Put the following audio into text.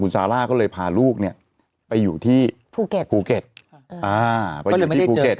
ซาร่าก็เลยพาลูกเนี่ยไปอยู่ที่ภูเก็ตภูเก็ตไปอยู่ที่ภูเก็ต